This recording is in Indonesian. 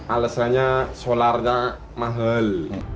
alasannya solarnya mahal